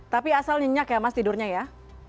tapi asal nyenyak ya mas tidurnya ya